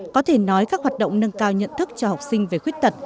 có thể nói các hoạt động nâng cao nhận thức cho học sinh về khuyết tật